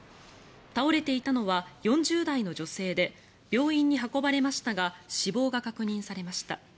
倒れていたのは４０代の女性で病院に運ばれましたが死亡が確認されました。